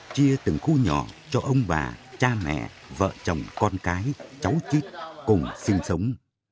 chia từng khu nhỏ cho ông bà cha mẹ vợ chồng con cái cháu chít cùng sinh sống